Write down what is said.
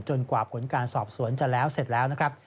จนกวาบกลุ่นการสอบสวนจะเสร็จแล้วนะครับ